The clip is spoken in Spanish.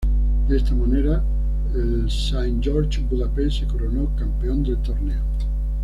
De esta manera el St George-Budapest se coronó campeón del torneo.